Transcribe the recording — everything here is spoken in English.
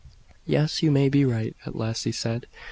"Yes, you may be right," at last he said.